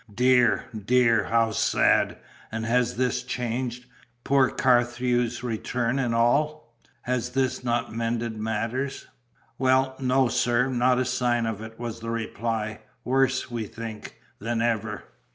"Dear, dear, how sad! And has this change poor Carthew's return, and all has this not mended matters?" "Well, no, sir, not a sign of it," was the reply. "Worse, we think, than ever."